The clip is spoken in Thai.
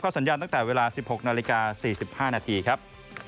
สัญญาณตั้งแต่เวลา๑๖นาฬิกา๔๕นาทีครับ